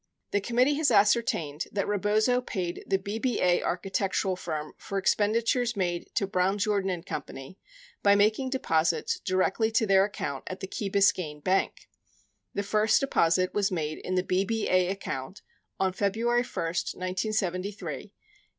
96 The committee has ascertained that Rebozo paid the BBA archi tectural firm for expenditures made to Brown Jordan Co. by making deposits directly to their account at the Key Biscayne Bank. 97 The first deposit was made in the BBA account on February 1, 1973, in the amount of $1,519.